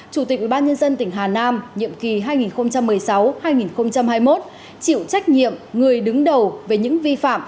chủ tịch ubnd tỉnh hà nam nhiệm kỳ hai nghìn một mươi sáu hai nghìn hai mươi một chịu trách nhiệm người đứng đầu về những vi phạm